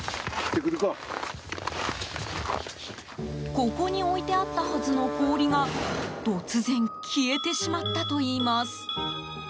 ここに置いてあったはずの氷が突然消えてしまったといいます。